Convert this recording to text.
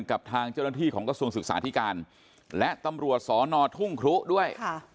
กับทางเจ้าหน้าที่ของกระทรวงศึกษาธิการและตำรวจสอนอทุ่งครุด้วย